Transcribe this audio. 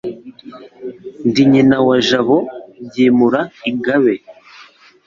Ndi nyina wa Jabo Ryimura ingabe,